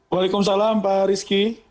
waalaikumsalam pak rizky